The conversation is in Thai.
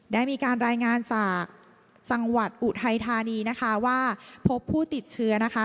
ได้มีการรายงานจากจังหวัดอุทัยธานีนะคะว่าพบผู้ติดเชื้อนะคะ